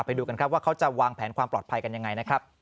ไปดูกันว่าเขาจะวางแผนความปลอดภัยกันยังไง